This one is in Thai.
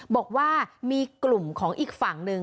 บอกว่ามีกลุ่มของอีกฝั่งหนึ่ง